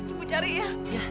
ibu cari ya